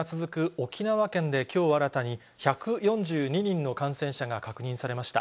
沖縄県できょう新たに、１４２人の感染者が確認されました。